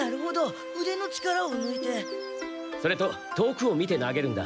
それと遠くを見て投げるんだ。